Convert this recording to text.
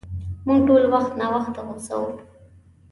مونږ ټول وخت ناوخته غصه کوو.